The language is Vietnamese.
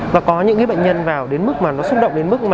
và có những cái bệnh nhân vào đến mức mà nó xúc động đến mức mà